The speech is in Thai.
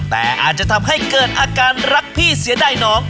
แต่อาจจะทำให้เกิดอาการรักพี่เสียดายน้อง